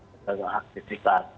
tidak ada aktivitas